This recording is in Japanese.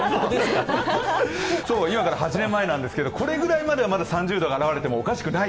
今から８年前なんですけどこれぐらいまではまだ３０度が現れてもおかしくない。